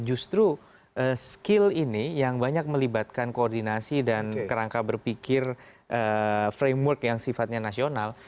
justru skill ini yang banyak melibatkan koordinasi dan kerangka berpikir framework yang sifatnya nasional